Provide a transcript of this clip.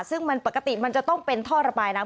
ซึ่งมันปกติมันจะต้องเป็นท่อระบายน้ำ